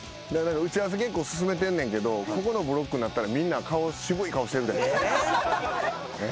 打ち合わせ結構進めてんねんけどここのブロックになったらみんな渋い顔してるで。え？